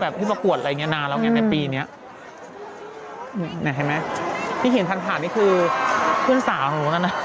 แบบที่ประกวดอะไรอย่างเงี้ยนานเราไงในปีเนี้ยนี่เห็นทันผ่านนี่คือเพื่อนสาวของหนูน่ะนะ